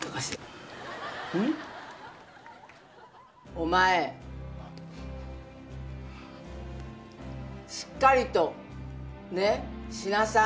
お前、しっかりと、ね、しなさい。